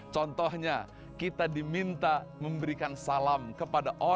contohnya kita diminta memberikan salam kepada orang orang